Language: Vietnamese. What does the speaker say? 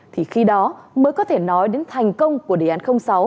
thì khi đó mới có thể nói đến thành công của đề án sáu